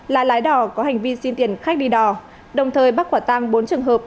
là lái đò có hành vi xin tiền khách đi đò đồng thời bắt quả tang bốn trường hợp